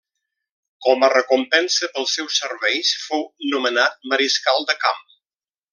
Com a recompensa pels seus serveis, fou nomenat mariscal de camp.